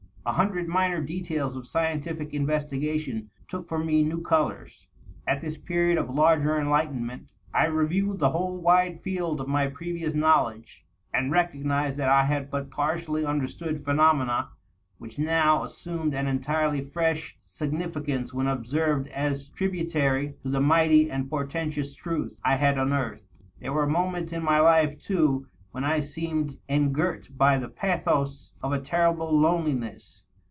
A hundred minor details of scientific inves tigation took for me new colors, at this period of larger enlightenment. I reviewed the whole wide field of my previous knowledge, and recog nized that I had but partially understood phenomena which now as sumed an entirely fyesh significance when observed as tributary to the mighty and portentous truth I had unearthed. There were moments in my life, too, when I seemed engirt by the pathos of a terrible lone L'ness.